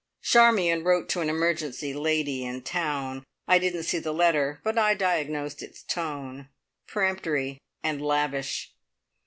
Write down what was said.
Charmion wrote to an emergency lady in town. I didn't see the letter, but I diagnosed its tone. Peremptory and lavish!